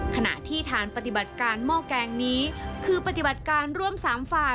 ขณะที่ฐานปฏิบัติการหม้อแกงนี้คือปฏิบัติการร่วม๓ฝ่าย